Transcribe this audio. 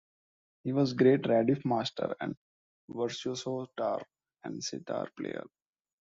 He was a great radif master and virtuoso tar and setar player.